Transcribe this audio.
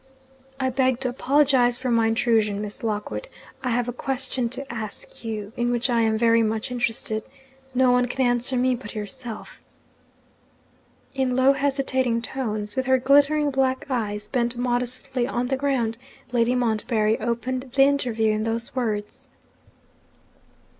'I beg to apologise for my intrusion, Miss Lockwood. I have a question to ask you, in which I am very much interested. No one can answer me but yourself.' In low hesitating tones, with her glittering black eyes bent modestly on the ground, Lady Montbarry opened the interview in those words.